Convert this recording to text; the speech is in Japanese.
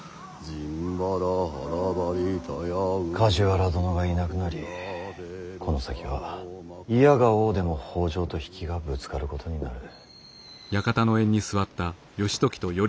梶原殿がいなくなりこの先はいやがおうでも北条と比企がぶつかることになる。